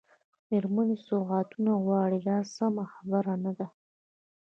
مېرمنې سوغاتونه غواړي دا سمه خبره نه ده.